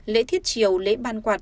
lễ thiết chiều lễ ban quạt